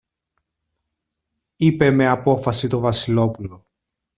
είπε με απόφαση το Βασιλόπουλο.